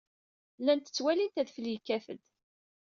Llant ttwalint adfel yekkat-d.